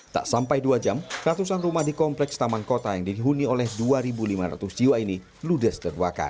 tak sampai dua jam ratusan rumah di kompleks taman kota yang dihuni oleh dua lima ratus jiwa ini ludes terbakar